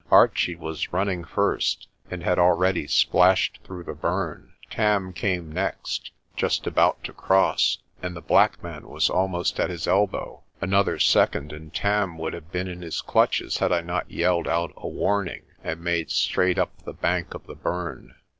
Archie was running first, and had already splashed through the burn; Tarn came next, just about to cross, and the black man was almost at his elbow. Another second and Tarn would have been in his clutches had I not yelled out a warning and made straight up the bank of the burn.